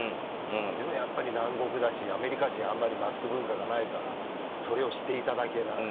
でもやっぱり南国だしアメリカ人はあまりマスク文化がないからそれをしていただけない。